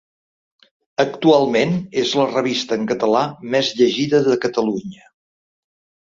Actualment és la revista en català més llegida de Catalunya.